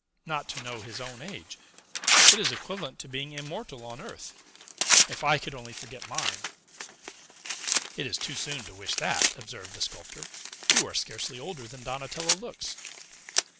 Not to know his own age! It is equivalent to being immortal on earth. If I could only forget mine!" "It is too soon to wish that," observed the sculptor; "you are scarcely older than Donatello looks."